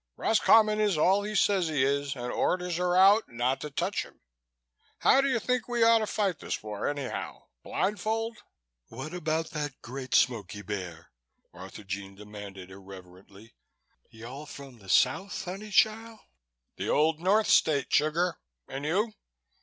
Roscommon is all he says he is and orders are out not to touch him. How do you think we ought to fight this war, anyhow? Blind fold?" "What about that Great Smoky bear?" Arthurjean demanded irrelevantly. "You all from the South, honey chile?" "The Old North State, sugar! And you?"